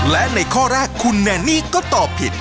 และในข้อแรกคุณแนนนี่ก็ตอบผิด